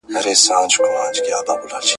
کروندې د خلکو اړتیا پوره کوي.